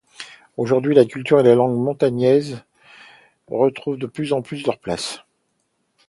Aujourd'hui, la culture et la langue montagnaise retrouvent de plus en plus leur place.